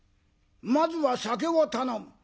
まずは酒を頼む」。